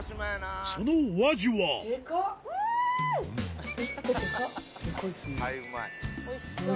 そのお味はうん！